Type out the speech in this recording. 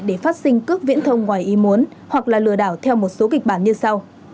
để phát sinh cước viễn thông ngoài ý muốn hoặc là lừa đảo theo một số kịch bản như sau